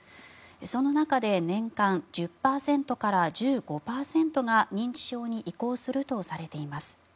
その中で年間１０％から１５％が認知症に移行するとされています。